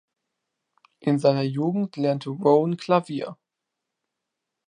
In seiner Jugend lernte Rowan Klavier.